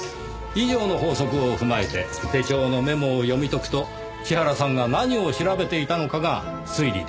以上の法則を踏まえて手帳のメモを読み解くと千原さんが何を調べていたのかが推理出来ます。